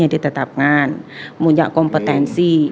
yang ditetapkan punya kompetensi